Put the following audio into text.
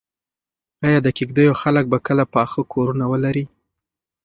ایا د کيږديو خلک به کله پاخه کورونه ولري؟